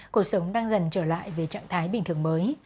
cuộc sống đang dần trở lại về trạng thái bình thường mới